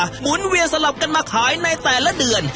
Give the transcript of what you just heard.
หมุนเวียนสลับกันมาขายในแต่ละเดือน